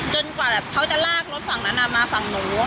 กว่าแบบเขาจะลากรถฝั่งนั้นมาฝั่งหนู